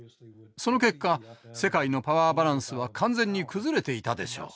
その結果世界のパワーバランスは完全に崩れていたでしょう。